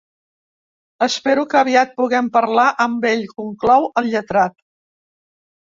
Espero que aviat puguem parlar amb ell, conclou el lletrat.